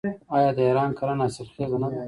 آیا د ایران کرنه حاصلخیزه نه ده؟